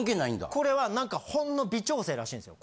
これは何かほんの微調整らしいんですよ。